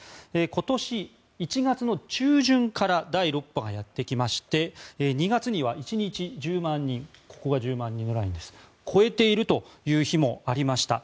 今年１月の中旬から第６波がやってきまして２月には１日１０万人ここが１０万人のラインです超えているという日もありました。